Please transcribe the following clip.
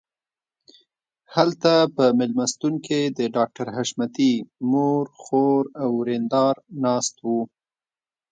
هلته په مېلمستون کې د ډاکټر حشمتي مور خور او ورېندار ناست وو